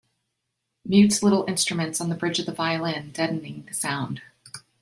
Mutes little instruments on the bridge of the violin, deadening the sound.